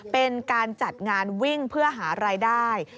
เป็นการจัดงานวิ่งเพื่อหารายได้